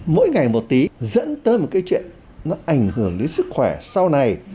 mỗi ngày một tí dẫn tới một cái chuyện nó ảnh hưởng đến sức khỏe sau này